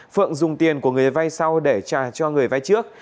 phượng dùng tiền của người vay sau để trả cho người vay trước